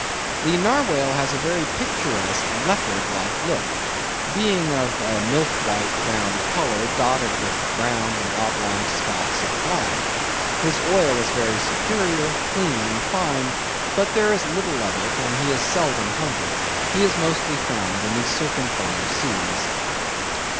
The Narwhale has a very picturesque, leopard like look, being of a milk white ground colour, dotted with round and oblong spots of black. His oil is very superior, clear and fine; but there is little of it, and he is seldom hunted. He is mostly found in the circumpolar seas.